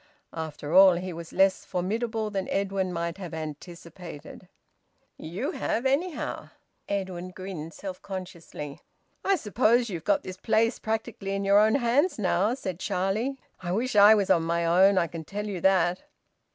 After all, he was less formidable than Edwin might have anticipated. "You have, anyhow," said Charlie. Edwin grinned self consciously. "I suppose you've got this place practically in your own hands now," said Charlie. "I wish I was on my own, I can tell you that."